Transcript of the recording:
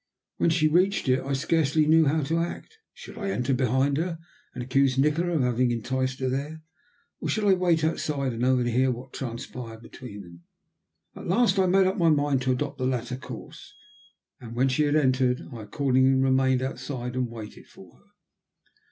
When she reached it I scarcely knew how to act. Should I enter behind her and accuse Nikola of having enticed her there, or should I wait outside and overhear what transpired between them? At last I made up my mind to adopt the latter course, and, when she had entered, I accordingly remained outside and waited for her.